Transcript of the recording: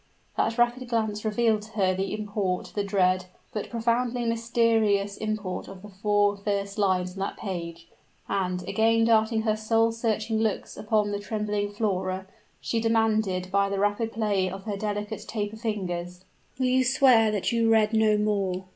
That rapid glance revealed to her the import, the dread, but profoundly mysterious import of the four first lines on that page; and, again darting her soul searching looks upon the trembling Flora, she demanded, by the rapid play of her delicate taper fingers "Will you swear that you read no more?"